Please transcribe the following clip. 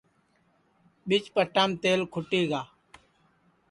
بیچ پٹام تیل کُھٹی گا